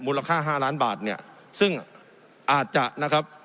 มูลค่าห้าร้านบาทเนี่ยซึ่งอาจจะนะครับ